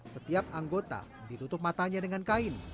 setiap anggota ditutup matanya dengan kain